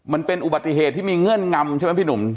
มันเป็นอุบัติเหตุที่มีเงื่อนงำใช่ไหมพี่หนุ่ม